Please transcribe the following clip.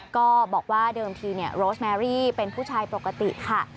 ก็บอกว่าเดิมทีโรสแมรี่เป็นผู้ชายปกติค่ะ